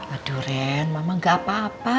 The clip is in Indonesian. aduh ren mama gak apa apa